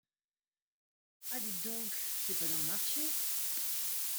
Ah ! dites donc ! c'est pas dans le marché.